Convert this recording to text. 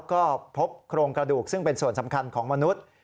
ก็พบโครงกระดูกซึ่งเป็นส่วนสำคัญของมนุษย์